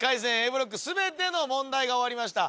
ブロック全ての問題が終わりました